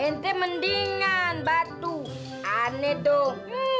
nt mendingan batu aneh dong